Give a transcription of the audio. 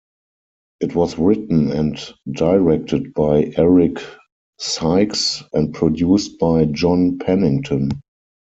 It was written and directed by Eric Sykes, and produced by Jon Penington.